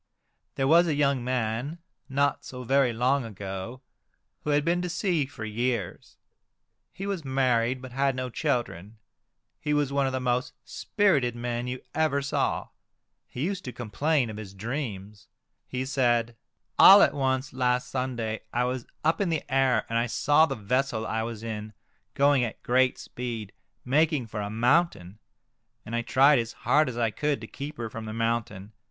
There was a young man, not so very long ago, who had been to sea for years. He was married, but had no children. He was one of the most spirited men you ever saw. He used to complain of his dreams. He said, " All at once last Sunday I was up in the air, and I saw the vessel I was in going at great speed, making for a mountain, and I tried as hard as I could to keep her from the mountain.